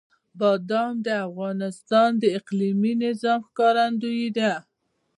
بادام د افغانستان د اقلیمي نظام ښکارندوی ده.